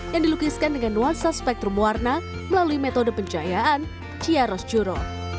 yang dilukiskan dengan nuansa spektrum warna melalui metode pencahayaan ciaros juro